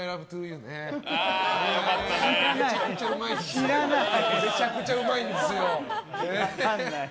俺らの同級生めちゃくちゃうまいんですよ。